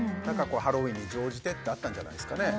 ハロウィンに乗じてってあったんじゃないですかね